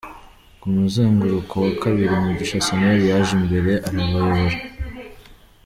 Ku muzenguruko wa kabiri, Mugisha Samuel yaje imbere arabayobora.